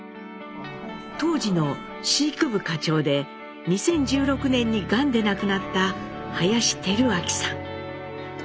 当時の飼育部課長で２０１６年にガンで亡くなった林輝昭さん。